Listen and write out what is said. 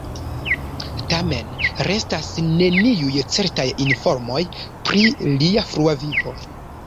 Tamen restas neniuj certaj informoj pri lia frua vivo.